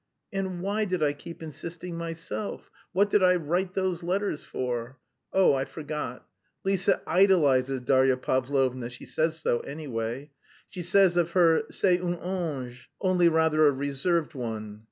And why did I keep insisting myself, what did I write those letters for? Oh, I forgot. Lise idolizes Darya Pavlovna, she says so anyway; she says of her 'c'est un ange, only rather a reserved one.'